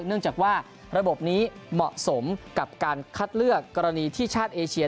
เนื่องจากว่าระบบนี้เหมาะสมกับการคัดเลือกกรณีที่ชาติเอเชีย